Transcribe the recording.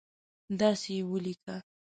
دسي یې ولیکه